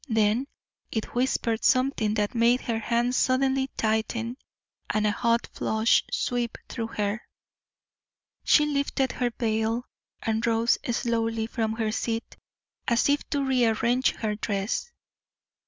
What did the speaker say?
Then it whispered something that made her hands suddenly tighten and a hot flush sweep through her. She lifted her veil and rose slowly from her seat, as if to rearrange her dress.